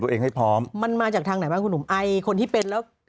ตัวเองให้พร้อมมันมาจากทางไหนพ่อคุณและคนที่เป็นแล้ว